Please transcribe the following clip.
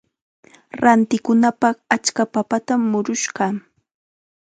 Rantikunapaq achka papatam murush kaa.